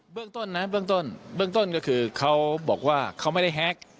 เรื่องต้นนะเบื้องต้นเบื้องต้นก็คือเขาบอกว่าเขาไม่ได้แฮ็ก